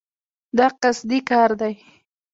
دا قصدي کار دی.